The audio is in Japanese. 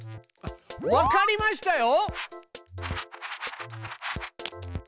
わかりましたよ！